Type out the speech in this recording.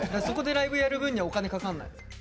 そこでライブやる分にはお金かかんない。